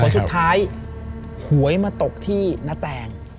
สุดท้ายหวยมาตกที่ณแตง